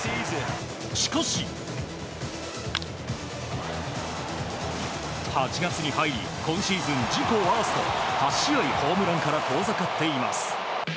しかし、８月に入り今シーズン自己ワースト８試合、ホームランから遠ざかっています。